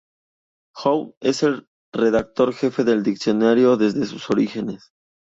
Howe es el redactor jefe del diccionario desde sus orígenes.